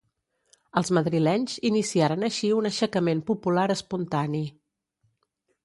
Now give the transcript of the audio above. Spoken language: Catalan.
Els madrilenys iniciaren així un aixecament popular espontani.